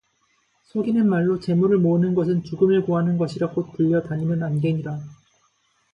속이는 말로 재물을 모으는 것은 죽음을 구하는 것이라 곧 불려 다니는 안개니라